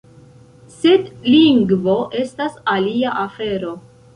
Sed lingvo estas alia afero.